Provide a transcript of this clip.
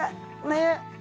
ねえ。